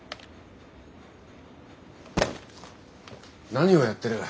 何をやってる？